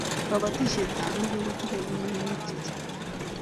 kabatishiet ab ngwek kotinye konunaik chechang